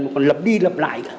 mà còn lập đi lập lại